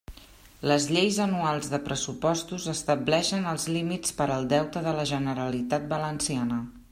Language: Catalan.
Les lleis anuals de pressupostos estableixen els límits per al deute de la Generalitat Valenciana.